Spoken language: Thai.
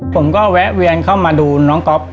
ผมก็แวะเวียนเข้ามาดูน้องก๊อฟ